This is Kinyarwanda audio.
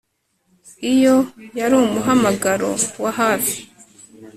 Iyo yari umuhamagaro wa hafi